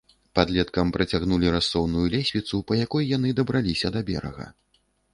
Падлеткам працягнулі рассоўную лесвіцу, па якой яны дабраліся да берага.